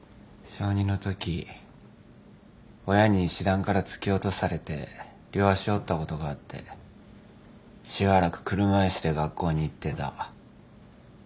小２のとき親に石段から突き落とされて両足折ったことがあってしばらく車椅子で学校に行ってた。